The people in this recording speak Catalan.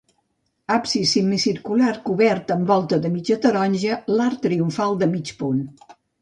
Absis semicircular cobert amb volta de mitja taronja, l'arc triomfal de mig punt.